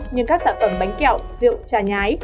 nhưng các sản phẩm bánh kẹo rượu trà nhái